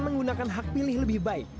menggunakan hak pilih lebih baik